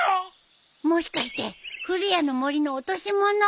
もしかしてふるやのもりの落とし物？